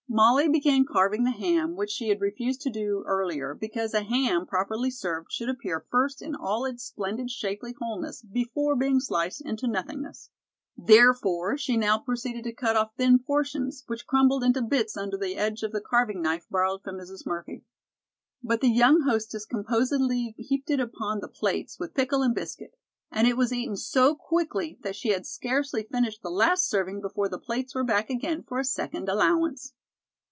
Molly began carving the ham, which she had refused to do earlier, because a ham, properly served, should appear first in all its splendid shapely wholeness before being sliced into nothingness. Therefore she now proceeded to cut off thin portions, which crumbled into bits under the edge of the carving knife borrowed from Mrs. Murphy. But the young hostess composedly heaped it upon the plates with pickle and biscuit, and it was eaten so quickly that she had scarcely finished the last serving before the plates were back again for a second allowance.